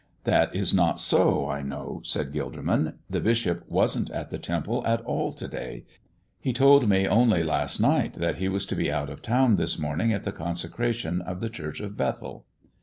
"That is not so, I know," said Gilderman. "The bishop wasn't at the Temple at all to day. He told me only last night that he was to be out of town this morning, at the consecration of the Church of Beth el."